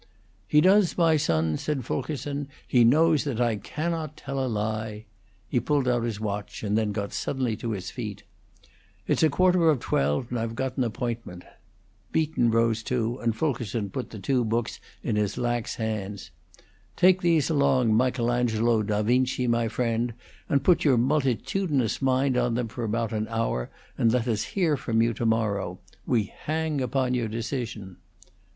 "He does, my son," said Fulkerson. "He knows that I cannot tell a lie." He pulled out his watch, and then got suddenly upon his feet. "It's quarter of twelve, and I've got an appointment." Beaton rose too, and Fulkerson put the two books in his lax hands. "Take these along, Michelangelo Da Vinci, my friend, and put your multitudinous mind on them for about an hour, and let us hear from you to morrow. We hang upon your decision."